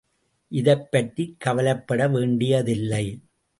இதைப்பற்றிக் கவலைப்பட வேண்டியதில்லை.